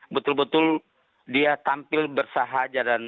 betul betul dia tampil bersahaja